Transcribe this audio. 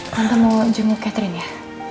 tante ingin menjenguk catherine ya